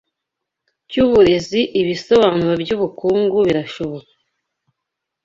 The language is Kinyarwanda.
cyuburezi ibisobanuro byubukungu birashobora